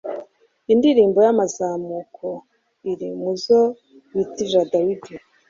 indirimbo y'amazamuko. iri mu zo bitirira dawudi